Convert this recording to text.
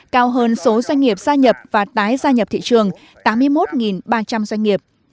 cao hơn số doanh nghiệp gia nhập và tái gia nhập thị trường tám mươi một ba trăm linh doanh nghiệp